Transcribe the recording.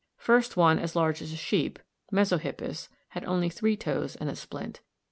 First one as large as a sheep (Mesohippus) had only three toes and a splint.